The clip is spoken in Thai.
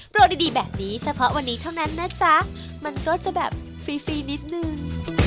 ดีแบบนี้เฉพาะวันนี้เท่านั้นนะจ๊ะมันก็จะแบบฟรีนิดนึง